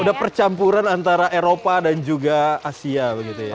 ada percampuran antara eropa dan juga asia begitu ya